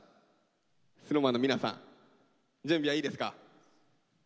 ＳｎｏｗＭａｎの皆さん準備はいいですか？